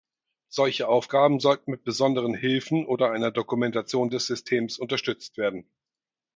Solche Aufgaben sollten mit besonderen Hilfen oder einer Dokumentation des Systems unterstützt werden.